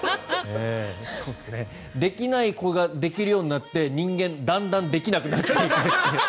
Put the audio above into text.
できない子ができるようになって人間、だんだんできなくなっていく。